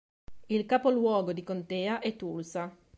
Il capoluogo di contea è Tulsa.